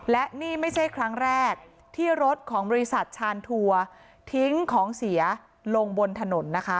และนี่ไม่ใช่ครั้งแรกที่รถของบริษัทชานทัวร์ทิ้งของเสียลงบนถนนนะคะ